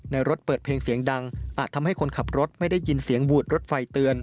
รถเปิดเพลงเสียงดังอาจทำให้คนขับรถไม่ได้ยินเสียงบูดรถไฟเตือน